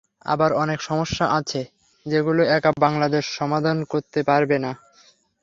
আবার অনেক সমস্যা আছে, যেগুলো একা বাংলাদেশ সমাধান করতে পারবে না।